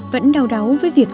vẫn đau đáu với việc